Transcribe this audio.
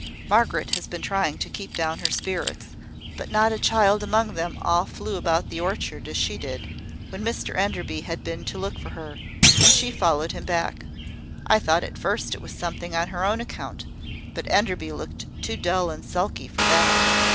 "Margaret has been trying to keep down her spirits, but not a child among them all flew about the orchard as she did, when Mr Enderby had been to look for her, and she followed him back. I thought at first it was something on her own account; but Enderby looked too dull and sulky for that.